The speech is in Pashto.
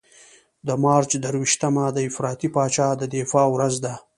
د مارچ درویشتمه د افراطي پاچا د دفاع ورځ ده.